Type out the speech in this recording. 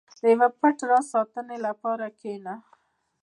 • د یو پټ راز ساتلو لپاره کښېنه.